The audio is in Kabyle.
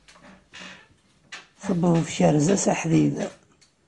Tuweḍ tkerza s aḥdid!